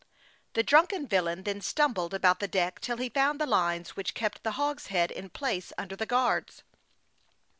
The drunken villain then stumbled about the deck till he found the lines which kept the hogsheads in place under the guards.